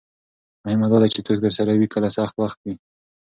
مهمه دا ده چې څوک درسره وي کله سخت وخت وي.